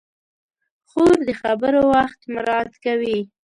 خور د خبرو وخت مراعت کوي.